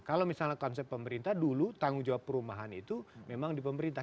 kalau misalnya konsep pemerintah dulu tanggung jawab perumahan itu memang di pemerintah